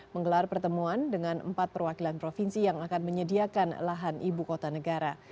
menggelar pertemuan dengan empat perwakilan provinsi yang akan menyediakan lahan ibu kota negara